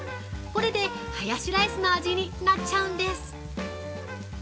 これでハヤシライスの味になっちゃうんです。